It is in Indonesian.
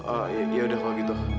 ah ya udah kalau gitu